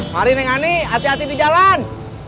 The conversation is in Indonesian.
mari neng ani hati hati di jalan